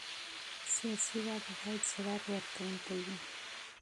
سیاسي واک باید ځواب ورکوونکی وي